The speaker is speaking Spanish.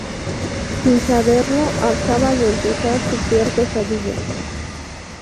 Sin saberlo, acaba de empezar su peor pesadilla.